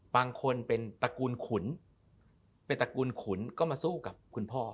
บางคนเป็นตระกูลขุนเป็นตระกูลขุนก็มาสู้กับคุณพ่อ